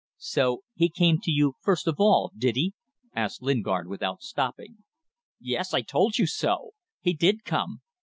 "So he came to you first of all, did he?" asked Lingard, without stopping. "Yes. I told you so. He did come.